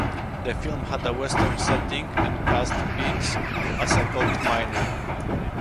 The film had a Western setting and cast Beans as a gold miner.